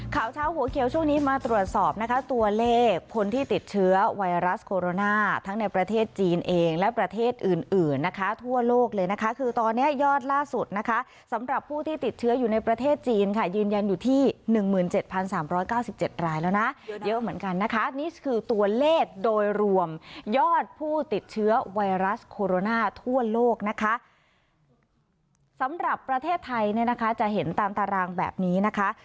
ข่าวเช้าหัวเขียวช่วงนี้มาตรวจสอบนะคะตัวเลขคนที่ติดเชื้อไวรัสโคโรนาทั้งในประเทศจีนเองและประเทศอื่นอื่นนะคะทั่วโลกเลยนะคะคือตอนนี้ยอดล่าสุดนะคะสำหรับผู้ที่ติดเชื้ออยู่ในประเทศจีนค่ะยืนยันอยู่ที่๑๗๓๙๗รายแล้วนะเยอะเหมือนกันนะคะนี่คือตัวเลขโดยรวมยอดผู้ติดเชื้อไวรัสโคโรนาทั่วโลกนะคะสำหรับประเทศไทยเนี่ยนะคะจะเห็นตามตารางแบบนี้นะคะ